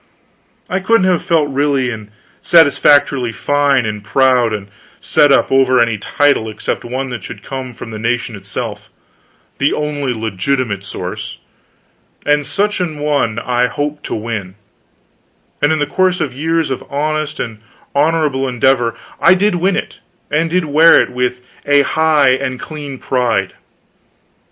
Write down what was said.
I couldn't have felt really and satisfactorily fine and proud and set up over any title except one that should come from the nation itself, the only legitimate source; and such an one I hoped to win; and in the course of years of honest and honorable endeavor, I did win it and did wear it with a high and clean pride.